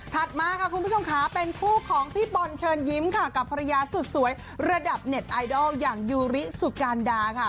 มาค่ะคุณผู้ชมค่ะเป็นคู่ของพี่บอลเชิญยิ้มค่ะกับภรรยาสุดสวยระดับเน็ตไอดอลอย่างยูริสุการดาค่ะ